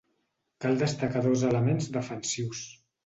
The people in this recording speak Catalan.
Cal destacar dos elements defensius.